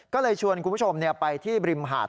ก็เลยชวนคุณผู้ชมไปที่ริมหาด